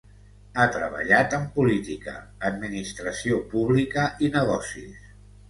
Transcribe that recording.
Ha treballat en política, administració pública i negocis.